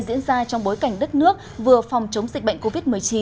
diễn ra trong bối cảnh đất nước vừa phòng chống dịch bệnh covid một mươi chín